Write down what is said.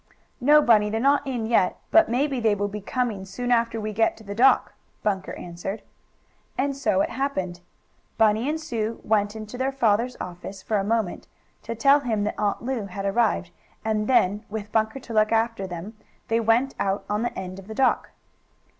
"No, Bunny, they're not in yet, but maybe they will be coming soon after we get to the dock," Bunker answered. And so it happened. Bunny and Sue went into their father's office for a moment, to tell him that Aunt Lu had arrived, and then, with Bunker to look after them, they went out on the end of the dock.